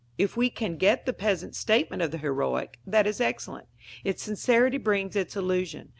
If we can get the peasant statement of the heroic, that is excellent; its sincerity brings its illusion.